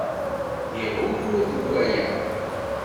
Liɣ ugur deg waya.